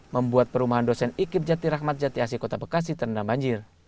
membuat perumahan dosen ikib jati rahmat jati asi kota bekasi terendam banjir